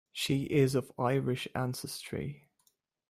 She is of Irish ancestry.